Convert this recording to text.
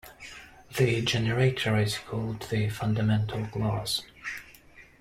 The generator is called the fundamental class.